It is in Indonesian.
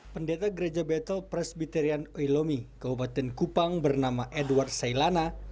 pendeta gereja battle presbiterian oilomi kabupaten kupang bernama edward sailana